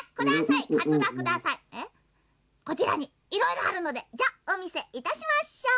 「こちらにいろいろあるのでおみせいたしましょう。